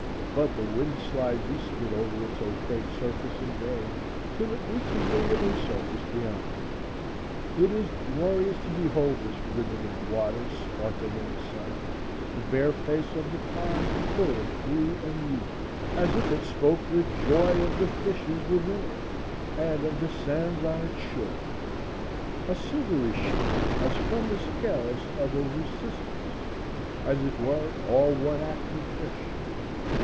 But the wind slides eastward over its opaque surface in vain, till it reaches the living surface beyond. It is glorious to behold this ribbon of water sparkling in the sun, the bare face of the pond full of glee and youth, as if it spoke the joy of the fishes within it, and of the sands on its shore,—a silvery sheen as from the scales of a leuciscus, as it were all one active fish.